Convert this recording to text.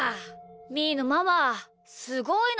みーのママすごいな。